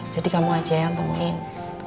jadi kamu aja yang temuin